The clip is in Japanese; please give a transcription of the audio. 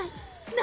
何？